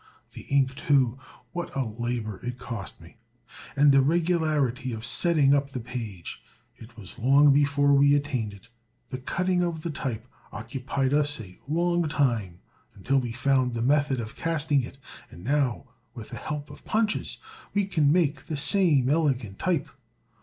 The ink, too, what a labor it cost me! And the regularity of setting up the page, it was long before we attained it. The cutting of the type occupied us a long time until we found the method of casting it; and now, with the help of punches, we can make the same elegant type.